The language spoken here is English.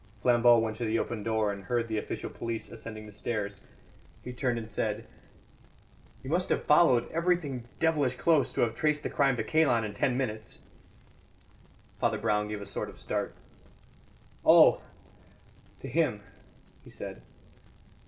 Flambeau went to the open door and heard the official police ascending the stairs. He turned and said: "You must have followed everything devilish close to have traced the crime to Kalon in ten minutes." Father Brown gave a sort of start. "Oh! to him," he said.